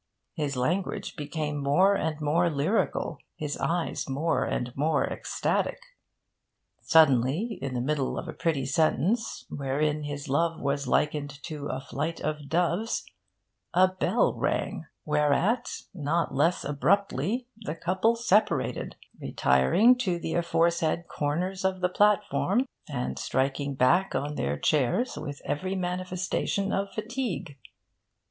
His language became more and more lyrical, his eyes more and more ecstatic. Suddenly in the middle of a pretty sentence, wherein his love was likened to a flight of doves, a bell rang; whereat, not less abruptly, the couple separated, retiring to the aforesaid corners of the platform and sinking back on their chairs with every manifestation of fatigue.